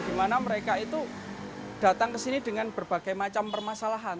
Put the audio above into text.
di mana mereka itu datang ke sini dengan berbagai macam permasalahan